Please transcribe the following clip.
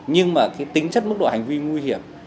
nhưng mà cái tính chất mức độ hành vi nguy hiểm